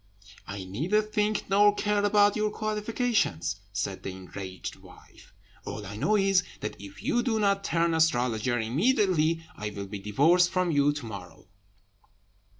"I neither think nor care about your qualifications," said the enraged wife; "all I know is, that if you do not turn astrologer immediately I will be divorced from you to morrow."